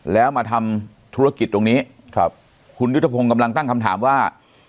แล้วมาทำธุรกิจตรงนี้ครับคุณยุทธพงศ์กำลังตั้งคำถามว่า